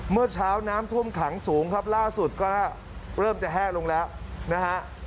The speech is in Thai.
เมื่อเช้าน้ำท่วมขังสูงครับล่าสุดก็เริ่มจะแห้ลงแล้วนะฮะ